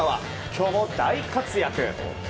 今日も大活躍。